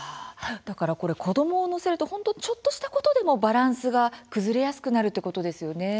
だからこれ子供を乗せると本当ちょっとしたことでもバランスが崩れやすくなるってことですよね。